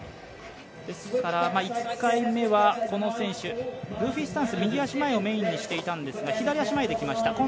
ですから１回目はこの選手グーフィースタンス右足前をメインにしていたんですが左足前できました。